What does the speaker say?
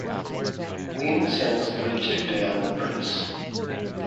Wayne sends the footage to Diana Prince.